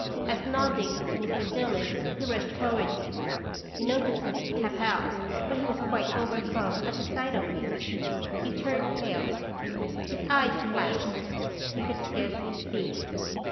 As, nodding to Mr. Dil lon, he rushed toward me, he noticed Mrs. Capel, but he was quite overcome at the sight of me. He turned pale, his eyes flashed, he could scarcely speak.